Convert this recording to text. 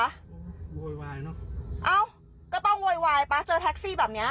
โอ้โหโวยวายเนอะเอ้าก็ต้องโวยวายป่ะเจอแท็กซี่แบบเนี้ย